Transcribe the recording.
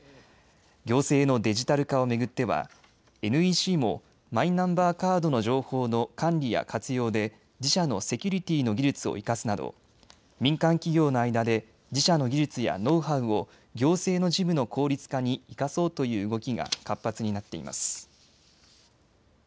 行政のデジタル化を巡ってはＮＥＣもマイナンバーカードの情報の管理や活用で自社のセキュリティーの技術を生かすなど民間企業の間で自社の技術やノウハウを行政の事務の効率化に生かそうという動きが活発になっています。